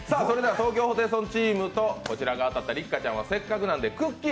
東京ホテイソンチームと、こちらが当たった六花ちゃんはせっかくなんでくっきー！